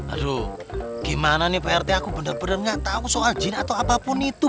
aduh gimana nih pak rt aku benar benar gak tahu soal jin atau apapun itu